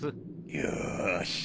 よし！